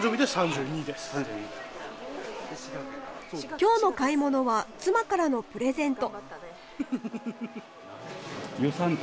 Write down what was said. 今日の買い物は妻からのプレゼント。